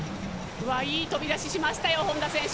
いい飛び出ししましたよ、本多選手。